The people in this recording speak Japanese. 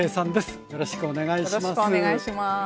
よろしくお願いします。